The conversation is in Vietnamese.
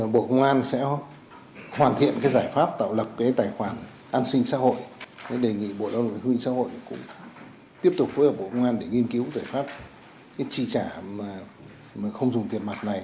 bộ công an sẽ hoàn thiện giải pháp tạo lập tài khoản an sinh xã hội